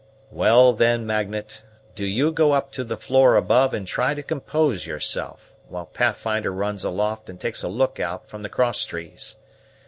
"Well, then, Magnet, do you go up to the floor above and try to compose yourself, while Pathfinder runs aloft and takes a look out from the cross trees.